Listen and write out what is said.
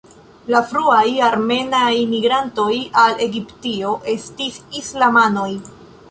La fruaj armenaj migrantoj al Egiptio estis islamanoj.